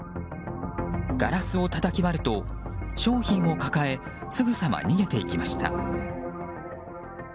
ガラスをたたき割ると商品を抱えすぐさま逃げていきました。